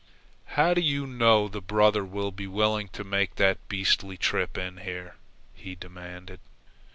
"How do you know the brother will be willing to make that beastly trip in here?" he demanded.